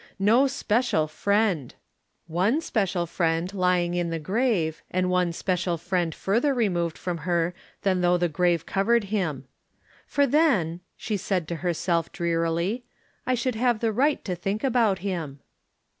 No special friend ! One special friend lying in the grave, and one special friend further removed from her than though the grave covered him. " For then," she said to herself, drearily, " I should have the right to think ahout him."